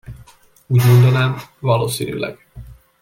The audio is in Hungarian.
Úgy mondanám, valószínűleg.